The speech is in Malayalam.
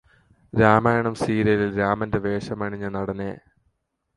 രാമായണം സീരിയലില് രാമന്റെ വേഷമണിഞ്ഞ നടനെ